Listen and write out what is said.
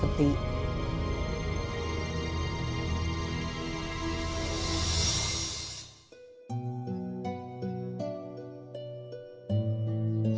เจ้าหญิงนิทธาตุการณ์